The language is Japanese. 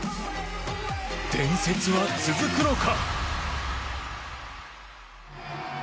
伝説は続くのか？